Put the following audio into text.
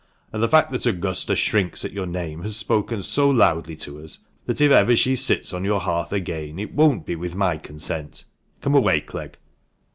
"And the fact that Augusta shrinks at your name has spoken so loudly to us that if ever she sits on your hearth again it won't be with my consent. Come away, Clegg."